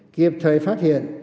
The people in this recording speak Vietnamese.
kịp thời phát hiện